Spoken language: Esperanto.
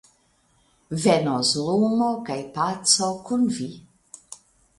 Venos lumo kaj paco kun vi.